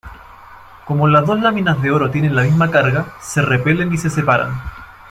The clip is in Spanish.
Como las dos láminas de oro tienen la misma carga, se repelen y separan.